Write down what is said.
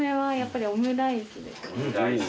はいオムライス。